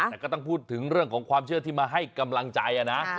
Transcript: แต่ก็ต้องพูดถึงเรื่องของความเชื่อที่มาให้กำลังใจนะ